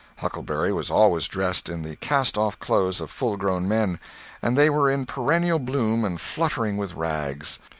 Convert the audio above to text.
Huckleberry was always dressed in the cast off clothes of full grown men, and they were in perennial bloom and fluttering with rags.